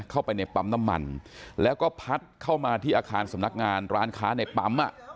เข้าไปในปั๊มน้ำมันแล้วก็พัดเข้ามาที่อาคารสำนักงานร้านค้าในปั๊มอ่ะ